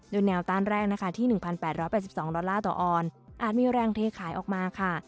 โดยแนวต้านแรกที่๑๘๘๒ต่อออนอาจไม่แรงเทขายออกมาค่ะ